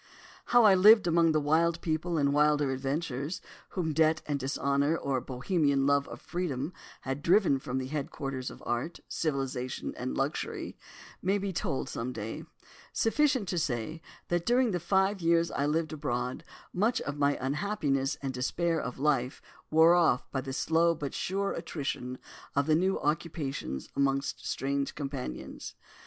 "How I lived among the wild people and wilder adventurers, whom debt and dishonour, or Bohemian love of freedom had driven from the headquarters of art, civilisation and luxury, may be told some day; sufficient to say that during the five years I lived abroad much of my unhappiness and despair of life wore off by the slow but sure attrition of new occupations amongst strange companions.